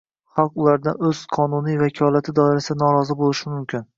Xalq ulardan oʻz qonuniy vakolati doirasida norozi boʻlishi mumkin.